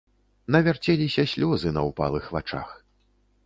Навярцеліся слёзы на ўпалых вачах.